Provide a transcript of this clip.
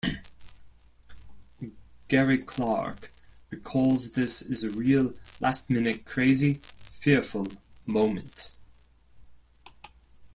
Gary Clark recalls this as a real last-minute crazy, fearful moment...